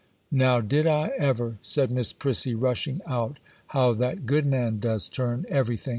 'Now, did I ever?' said Miss Prissy, rushing out. 'How that good man does turn everything!